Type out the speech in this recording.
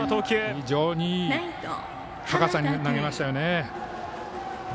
非常にいい高さに投げましたね。